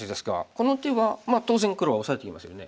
この手はまあ当然黒はオサえてきますよね。